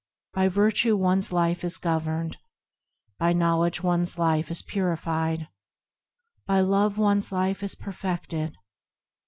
By Virtue one's life is governed, By Knowledge one's life is purified, By Love one's life is perfected.